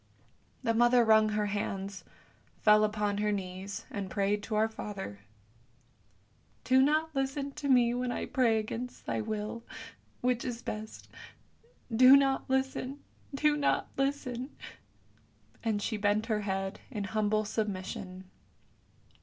" The mother wrung her hands, fell upon her knees, and prayed to Our Father, " Do not listen to me when I pray against thy will, which is best; do not listen, do not listen! " And she bent her head in humble submission.